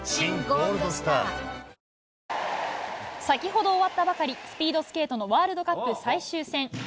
先ほど終わったばかりスピードスケートのワールドカップ最終戦。